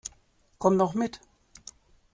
Komm doch mit!